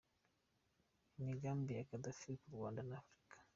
Imigambi ya Gaddafi ku Rwanda na Afurika.